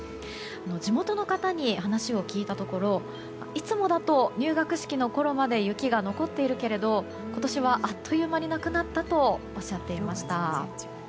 地元の方に話を聞いたところいつもだと入学式のころまで雪が残っているけれど、今年はあっという間になくなったとおっしゃっていました。